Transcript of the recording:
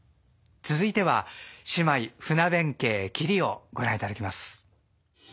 続いては仕舞「船弁慶キリ」をご覧いただきます。